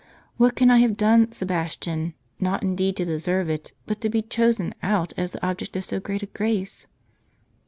What can I have done, Sebastian, not indeed to deserve it, but to be chosen out as the object of so great a grace?"